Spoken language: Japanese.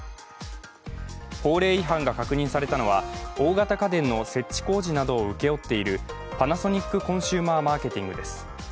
法令違反が確認されたのは大型家電の設置工事を請け負っているパナソニックコンシューマーマーケティングです。